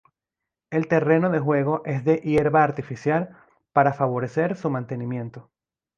El terreno de juego es de hierba artificial para favorecer su mantenimiento.